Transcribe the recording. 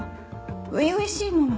初々しいもの。